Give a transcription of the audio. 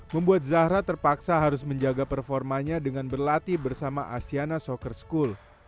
membuat zahra terpaksa harus menjaga performanya dengan berlatih bersama asyana soccer school